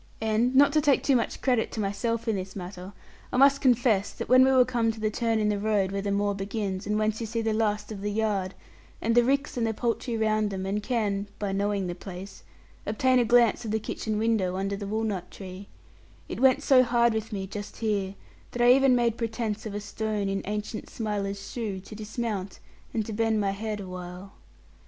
And not to take too much credit to myself in this matter, I must confess that when we were come to the turn in the road where the moor begins, and whence you see the last of the yard, and the ricks and the poultry round them and can (by knowing the place) obtain a glance of the kitchen window under the walnut tree, it went so hard with me just here that I even made pretence of a stone in ancient Smiler's shoe, to dismount, and to bend my head awhile.